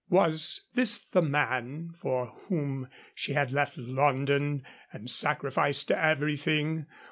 Was this the man for whom she had left London and sacrificed everything?